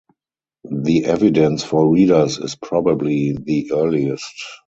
The evidence for readers is probably the earliest.